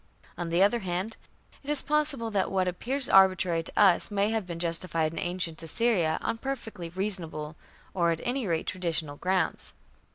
" On the other hand, it is possible that what appears arbitrary to us may have been justified in ancient Assyria on perfectly reasonable, or at any rate traditional, grounds.